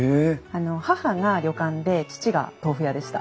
あの母が旅館で父が豆腐屋でした。